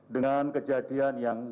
dengan kejadian yang